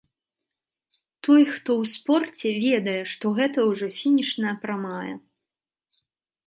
Той, хто ў спорце, ведае, што гэта ўжо фінішная прамая.